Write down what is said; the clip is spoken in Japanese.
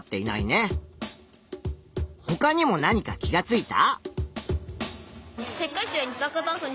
ほかにも何か気がついた？